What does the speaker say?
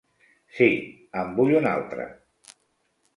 Sí, en vull un altre.